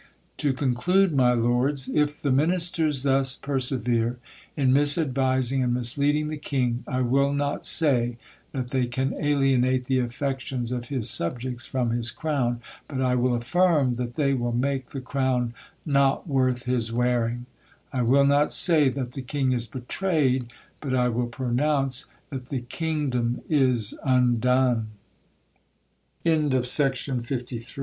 To conclude, my lords ; if the ministers thus perse vere in misadvising and misleading the king, I will not say, that they can alienate the affections of his subjects from his crown ; but I will affirm, that they will make the crown not worth his wearing : I will not say that the king is betrayed ; but I will pronounce, that the.